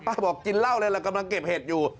ป้าบอกกินเหล้าเลยเรากำลังเก็บเหตุอยู่